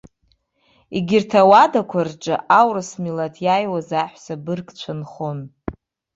Егьырҭ ауадақәа рҿы аурыс милаҭ иаиуаз аҳәса быргцәа нхон.